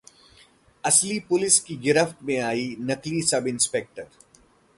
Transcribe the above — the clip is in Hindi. असली पुलिस की गिरफ्त में आया नकली सब-इंस्पेक्टर